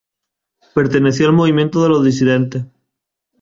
Perteneció al movimiento de "Los Disidentes".